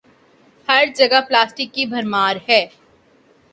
ہر جگہ پلاسٹک کی بھرمار ہے۔